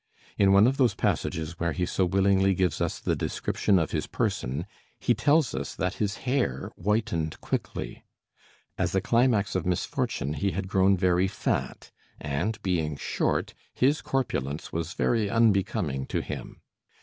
In one of those passages where he so willingly gives us the description of his person, he tells us that his hair whitened quickly. As a climax of misfortune he had grown very fat, and being short, his corpulence was very unbecoming to him.